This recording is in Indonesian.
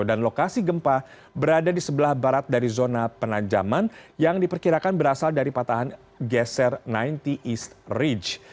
dan lokasi gempa berada di sebelah barat dari zona penajaman yang diperkirakan berasal dari patahan geser sembilan puluh east ridge